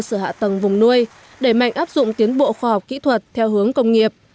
cơ sở hạ tầng vùng nuôi đẩy mạnh áp dụng tiến bộ khoa học kỹ thuật theo hướng công nghiệp